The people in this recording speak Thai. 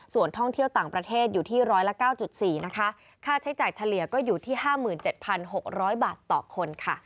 ส่วนท่องเที่ยวต่างประเทศอยู่ที่ร้อยละ๙๔นะคะค่าใช้จ่ายเฉลี่ยก็อยู่ที่๕๗๖๐๐บาทต่อคนค่ะ